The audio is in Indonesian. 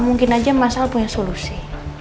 mungkin aja mas al punya solusi